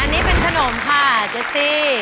อันนี้เป็นขนมค่ะเจสซี่